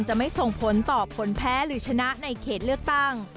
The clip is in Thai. จะไม่ส่งผลต่อผลแพ้หรือชนะในเขตเลือกตั้ง